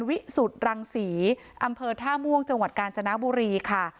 วิสุทธิ์รังศรีอำเภอท่าม่วงจังหวัดกาญจนบุรีค่ะ